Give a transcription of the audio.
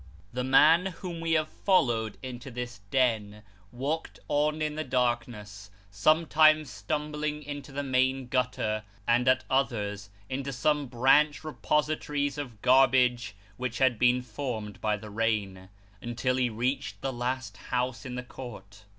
The man whom we have followed into this den, walked on in the darkness, sometimes stumbling into the main gutter, and at others into some branch repositories of garbage which had been formed by the rain, until he reached the last house in the court.